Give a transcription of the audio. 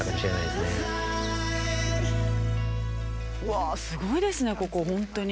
◆わぁ、すごいですね、ここ。